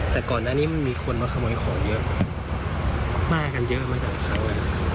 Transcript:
แต่ก่อนหน้านี้มันมีคนมาขโมยของเยอะมากกันเยอะมากกันเยอะมากกันเยอะ